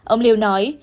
ông liu nói